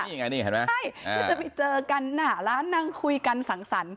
นี่ไงนี่เห็นไหมใช่คือจะไปเจอกันหน้าร้านนั่งคุยกันสังสรรค์